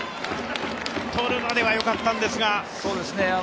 とるまでは良かったんですが。